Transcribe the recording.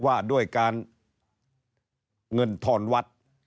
ว่าด้วยการเงินทอนวัด